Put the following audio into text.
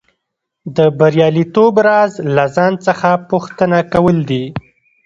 د بریالیتوب راز له ځان څخه پوښتنه کول دي